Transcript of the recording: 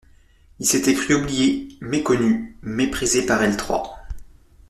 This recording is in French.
Il s'était cru oublié, méconnu, méprisé par elles trois.